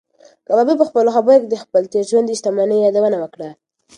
کبابي په خپلو خبرو کې د خپل تېر ژوند د شتمنۍ یادونه وکړه.